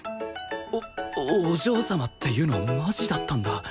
おお嬢様っていうのはマジだったんだ